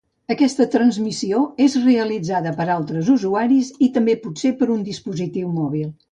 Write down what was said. Aquesta transmissió és realitzada per altres usuaris, i també potser per un dispositiu mòbil.